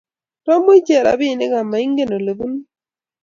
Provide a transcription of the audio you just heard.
Romu ichek robinik ama ingen olebunu